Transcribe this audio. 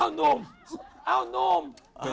เอานุ่มเอานุ่ม